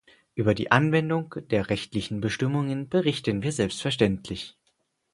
Über die Anwendung der rechtlichen Bestimmungen berichten wir selbstverständlich.